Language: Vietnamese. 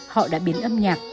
họ đã biến âm nhạc